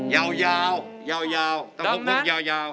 ยาวต้องพูดยาว